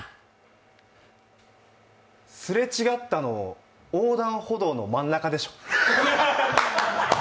すれ違ったの、横断歩道の真ん中でしょう？